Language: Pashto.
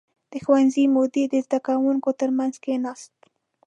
• د ښوونځي مدیر د زده کوونکو تر منځ کښېناست.